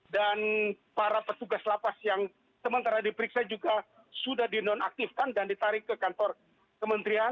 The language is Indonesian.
dan para petugas lapas yang sementara diperiksa juga sudah dinonaktifkan dan ditarik ke kantor kementerian